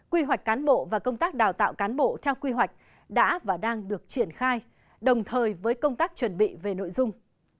quy hoạch cán bộ và công tác đào tạo cán bộ theo quy hoạch đã và đang được triển khai đồng thời với công tác chuẩn bị về nội dung